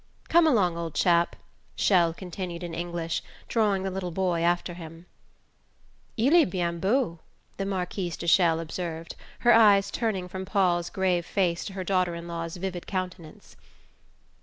"Come along, old chap," Chelles continued in English, drawing the little boy after him. "Il est bien beau," the Marquise de Chelles observed, her eyes turning from Paul's grave face to her daughter in law's vivid countenance.